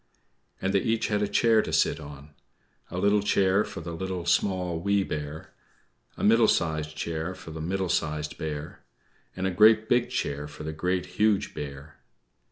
And they each had a chair to sit on: a little chair for the Little, Small, Wee Bear; a middle sized chair for the Middle Sized Bear; and a great big chair for the Great, Huge Bear.